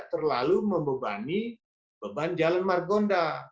terlalu membebani beban jalan margonda